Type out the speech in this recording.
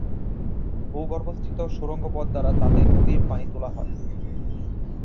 ভূগর্ভস্থিত সুড়ঙ্গ পথ দ্বারা তাতে নদীর পানি তোলা হয়।